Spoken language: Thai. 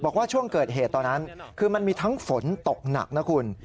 บอกว่าช่วงเกิดเหตุตอนนั้นคือมันมีทั้งฝนตกหนักนะคุณ